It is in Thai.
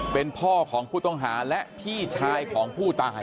เป็นพ่อของผู้ต้องหาและพี่ชายของผู้ตาย